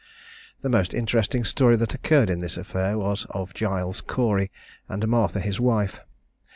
The most interesting story that occurred in this affair, was of Giles Cory, and Martha, his wife.